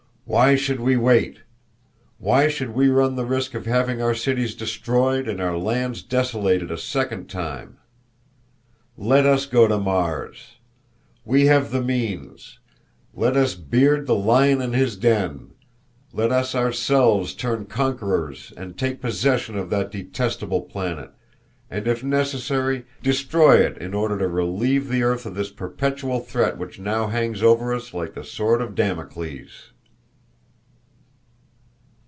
"Why should we wait? Why should we run the risk of having our cities destroyed and our lands desolated a second time? Let us go to Mars. We have the means. Let us beard the lion in his den. Let us ourselves turn conquerors and take possession of that detestable planet, and if necessary, destroy it in order to relieve the earth of this perpetual threat which now hangs over us like the sword of Damocles."